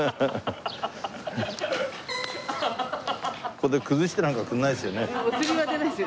ここで崩してなんかくれないですよね？